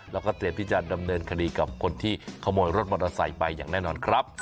แล้วก็เตรียมที่จะดำเนินคดีกับคนที่ขโมยรถมอเตอร์ไซค์ไปอย่างแน่นอนครับ